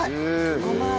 ごま油。